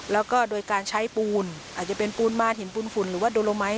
แล้วก็โดยการใช้ปูนอาจจะเป็นปูนมารหินปูนฝุ่นหรือว่าโดโลไมค